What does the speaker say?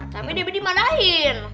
tapi debbie dimalahin